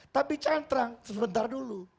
tapi cantrang sebentar dulu